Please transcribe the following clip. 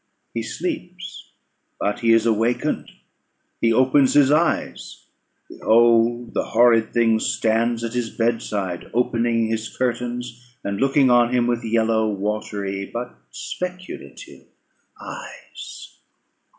He sleeps; but he is awakened; he opens his eyes; behold the horrid thing stands at his bedside, opening his curtains, and looking on him with yellow, watery, but speculative eyes.